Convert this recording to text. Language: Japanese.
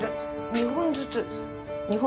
２本ずつ。